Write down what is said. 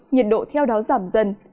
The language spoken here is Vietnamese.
nhiệt độ theo đó giảm dần